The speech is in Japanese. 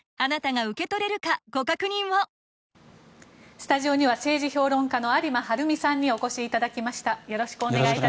スタジオには政治評論家の有馬晴海さんにお越しいただきました。